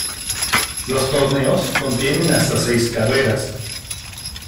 Los torneos contienen hasta seis carreras.